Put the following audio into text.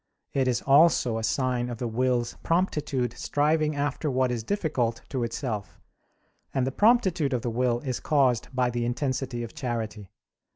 It is also a sign of the will's promptitude striving after what is difficult to itself: and the promptitude of the will is caused by the intensity of charity.